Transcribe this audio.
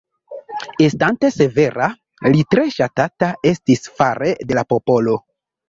Estante severa li tre ŝatata estis fare de la popolo.